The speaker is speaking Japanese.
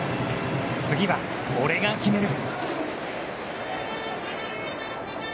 次は、俺が決める。